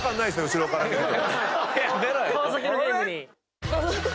後ろから見ると。